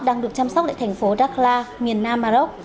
đang được chăm sóc lại thành phố dakla miền nam maroc